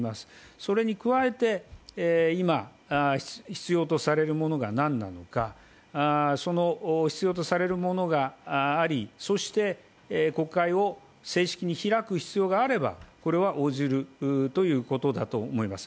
それに加えて今、必要とされるものが何なのか、必要とされるものがあり、そして国会を正式に開く必要があればこれは応じるということだと思います。